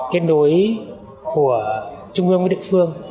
kết nối của trung ương với địa phương